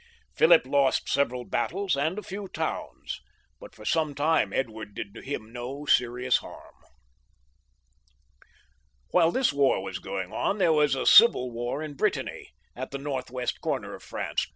Philip lost several battles and a few towns, but for some time Edward did him no serious harm. While this war was going on there was a civil war in Brittany, at the north west corner of France.